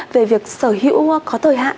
về việc sở hữu có thời hạn